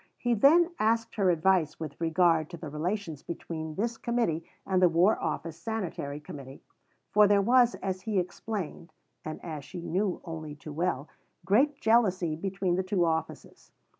He then asked her advice with regard to the relations between this Committee and the War Office Sanitary Committee, for there was, as he explained (and as she knew only too well), great jealousy between the two offices.